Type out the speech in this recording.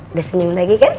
udah senyum lagi kan